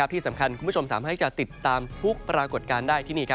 ที่สำคัญคุณผู้ชมสามารถให้จะติดตามทุกปรากฏการณ์ได้ที่นี่